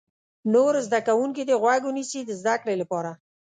نور زده کوونکي دې غوږ ونیسي د زده کړې لپاره.